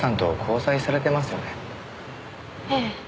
ええ。